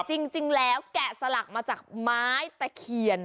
จริงแล้วแกะสลักมาจากไม้ตะเคียน